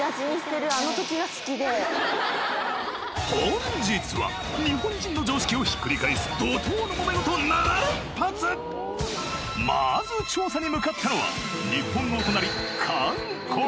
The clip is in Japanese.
本日は日本人の常識をひっくり返す怒涛のモメゴト７連発まず調査に向かったのは日本のお隣